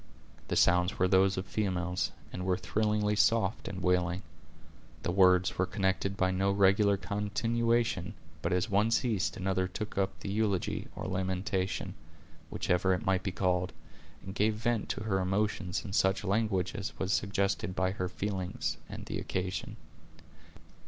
The sounds were those of females, and were thrillingly soft and wailing. The words were connected by no regular continuation, but as one ceased another took up the eulogy, or lamentation, whichever it might be called, and gave vent to her emotions in such language as was suggested by her feelings and the occasion.